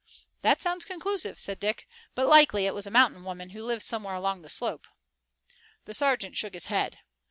"That sounds conclusive," said Dick, "but likely it was a mountain woman who lives somewhere along the slope." The sergeant shook his head.